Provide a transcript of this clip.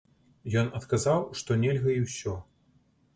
Ён адказаў, што нельга і ўсё.